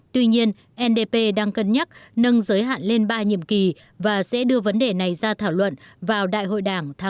tuy nhiên ndp đang cân nhắc nâng giới hạn lên ba nhiệm kỳ và sẽ đưa vấn đề này ra thảo luận vào đại hội